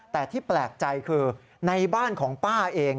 แต่ที่แปลกใจคือในบ้านของป้าเอง